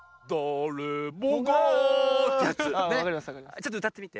ちょっとうたってみて。